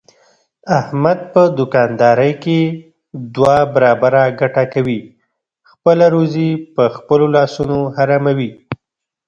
احمد په دوکاندارۍ کې دوه برابره ګټه کوي، خپله روزي په خپلو لاسونو حراموي.